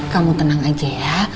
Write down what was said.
kamu tenang aja ya